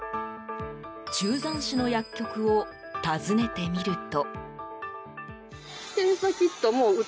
中山市の薬局を訪ねてみると。